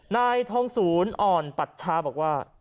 นายทองศูนย์อ่อนปัชชาบอกว่า